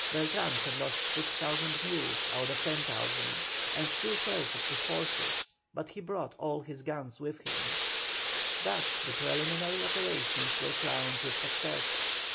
Beltran had lost 6,000 mules out of 10,000, and two thirds of his horses, but he brought all his guns with him. Thus the preliminary operations were crowned with success.